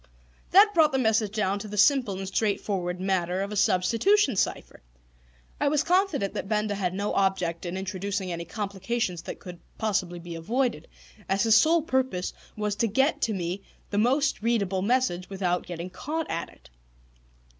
That brought the message down to the simple and straightforward matter of a substitution cipher. I was confident that Benda had no object in introducing any complications that could possibly be avoided, as his sole purpose was to get to me the most readable message without getting caught at it.